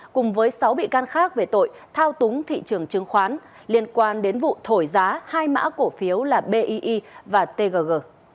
cùng với sáu bị can khác về tội thao túng thị trường chứng khoán liên quan đến vụ thổi giá hai mã cổ phiếu là bi và tgg